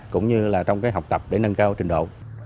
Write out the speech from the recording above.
trong đó là trong cái học tập để nâng cao trình độ